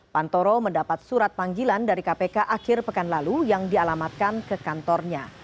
pantoro mendapat surat panggilan dari kpk akhir pekan lalu yang dialamatkan ke kantornya